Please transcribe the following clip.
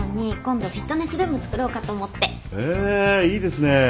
へぇいいですね。